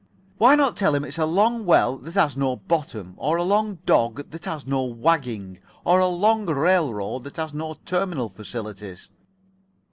Why not tell him it's a long well that has no bottom, or a long dog that has no wagging, or a long railroad that has no terminal facilities?"